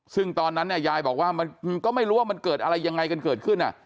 ซึ่งตอนนั้นเนี่ยยายบอกว่ามันก็ไม่รู้ว่ามันเกิดอะไรยังไงกันเกิดขึ้น